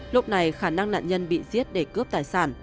lúc này khả năng nạn nhân bị giết để cướp tài sản